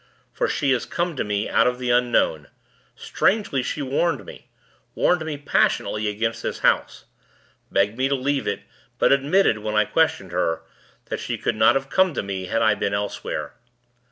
For she has come to me out of the unknown. Strangely, she warned me; warned me passionately against this house; begged me to leave it; but admitted, when I questioned her, that she could not have come to me, had I been elsewhere.